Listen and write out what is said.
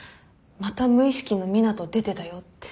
また無意識の湊斗出てたよって。